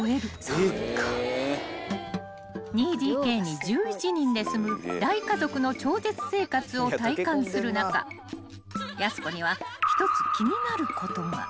［２ＤＫに１１人で住む大家族の超絶生活を体感する中やす子には一つ］